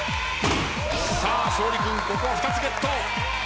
さあ勝利君ここは２つゲット。